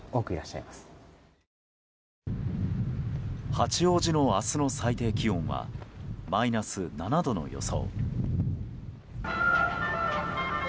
八王子の明日の最低気温はマイナス７度の予想。